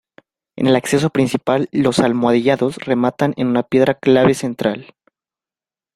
En el acceso principal los almohadillados rematan en una piedra clave central.